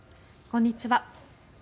こんにちは。